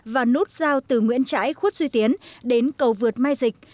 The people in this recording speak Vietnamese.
và nút giao từ nguyễn trãi khuất duy tiến đến cầu vượt mai dịch